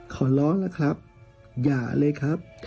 ขอร้องนะครับอย่าเลยครับ